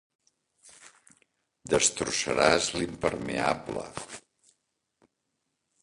Destrossaràs l'impermeable.